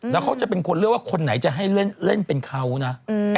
คุณนัทมีเรียนไปแล้วก็จะเล่นเป็นเขาค่ะ